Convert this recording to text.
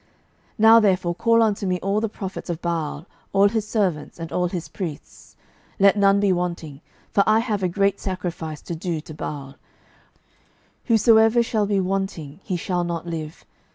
12:010:019 Now therefore call unto me all the prophets of Baal, all his servants, and all his priests; let none be wanting: for I have a great sacrifice to do to Baal; whosoever shall be wanting, he shall not live.